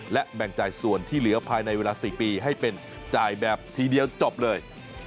และแบ่งจ่ายส่วนที่เหลือภายในเวลา๔ปีให้เป็นจ่ายแบบทีเดียวจบเลย